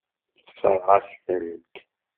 Tessṛeɣ-aɣ-tent.